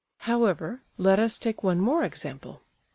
However, let us take one more example.